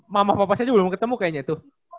mama papa saya juga belum ketemu kayaknya tuh